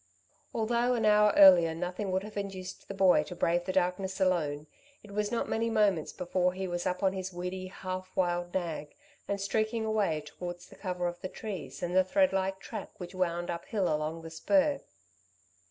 Although an hour earlier nothing would have induced the boy to brave the darkness alone, it was not many moments before he was up on his weedy, half wild nag and streaking away towards the cover of the trees and the threadlike track which wound uphill along the spur.